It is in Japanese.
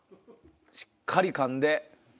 しっかりかんで。